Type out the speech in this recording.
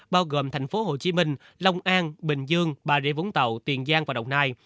bao gồm tp hcm lòng an bình dương bà rịa vũng tàu tiền giang và đồng nai